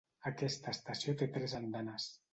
Aquesta estació té tres andanes.